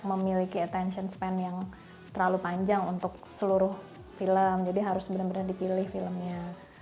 memiliki attention span yang terlalu panjang untuk seluruh film jadi harus benar benar dipilih filmnya